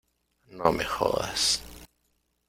no me jodas.